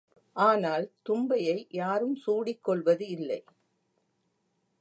ஆனால் தும்பையை யாரும் சூடிக் கொள்வது இல்லை.